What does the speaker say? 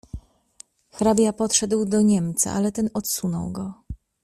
"Hrabia podszedł do niemca, ale ten odsunął go."